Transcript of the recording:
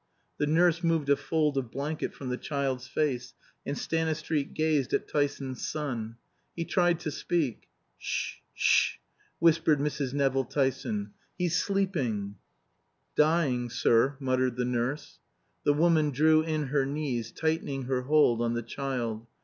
The nurse moved a fold of blanket from the child's face, and Stanistreet gazed at Tyson's son. He tried to speak. "Sh sh " whispered Mrs. Nevill Tyson. "He's sleeping." "Dying, sir," muttered the nurse. The woman drew in her knees, tightening her hold on the child.